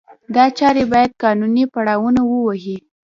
دا چارې باید قانوني پړاونه ووهي.